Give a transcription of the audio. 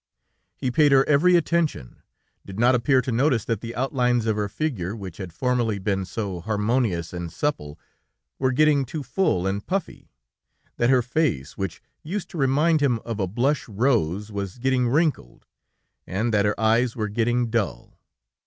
He paid her every attention, did not appear to notice that the outlines of her figure, which had formerly been so harmonious and supple, were getting too full and puffy, that her face, which used to remind him of a blush rose, was getting wrinkled, and that her eyes were getting dull.